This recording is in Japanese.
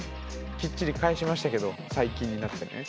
きっちり返しましたけど最近になってね。